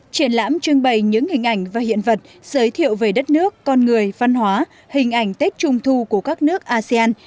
triển lãm trưng bày những hình ảnh và hiện vật giới thiệu về đất nước con người văn hóa hình ảnh tết trung thu của các nước asean